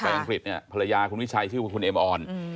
แต่อังกฤษเนี่ยภรรยาคุณวิชัยชื่อว่าคุณเอ็มออน